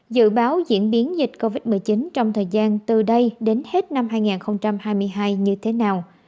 dự báo diễn biến dịch covid một mươi chín trong thời gian từ đây đến hết năm hai nghìn hai mươi hai như thế nào